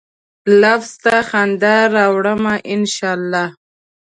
لفظ ته خندا راوړمه ، ان شا الله